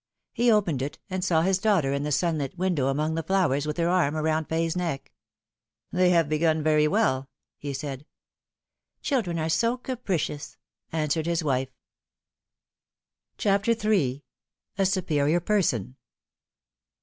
He opened it, and A Superior Person. 17 saw his daughter in the sunlit window among the flowers with her arm round Fay's neck. " They have begun very well," he said. " Children are so capricious," answered his wife. CHAPTER in. A SUPERIOR PERSON.